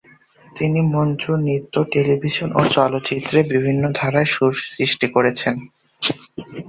তিনি মঞ্চ, নৃত্য, টেলিভিশন ও চলচ্চিত্রে বিভিন্ন ধারার সুর সৃষ্টি করেছেন।